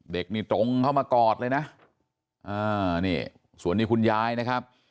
เด็กนี่ตรงเข้ามากอดเลยนะนี่ส่วนนี้คุณยายนะครับ